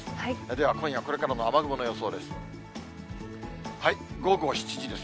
では今夜、これからの雨雲の予想です。